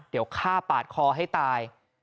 เดี๋ยวฆ่าปาดคอให้ตาย